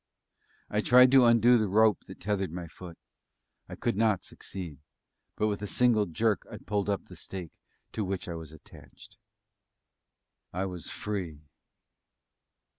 I tried to undo the rope that tethered my foot. I could not succeed; but with a single jerk I pulled up the stake to which I was attached. I was free.